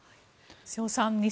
瀬尾さん